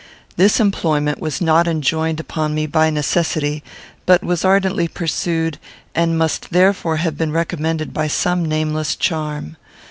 This employment was not enjoined upon me by necessity, but was ardently pursued, and must therefore have been recommended by some nameless charm.